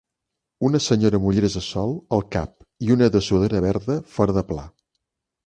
Una senyora amb ulleres de sol al cap i una dessuadora verda fora de pla.